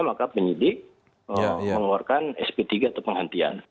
maka penyidik mengeluarkan sp tiga atau penghentian